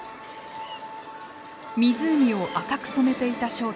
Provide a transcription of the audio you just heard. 湖を赤く染めていた正体。